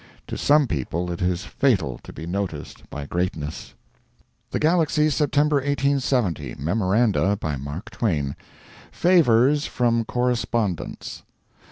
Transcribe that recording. To some people it is fatal to be noticed by greatness. THE GALAXY, September 1870 MEMORANDA. BY MARK TWAIN. FAVORS FROM CORRESPONDENTS.